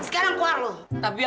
tadi lo bantunya bagaimana